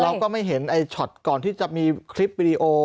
เราก็ไม่เห็นไอ้ช็อตก่อนที่จะมีคลิปวิดีโอ